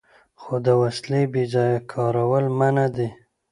خو د وسلې بې ځایه کارول منع دي.